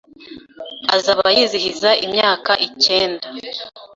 azaba yizihiza imyaka icyenda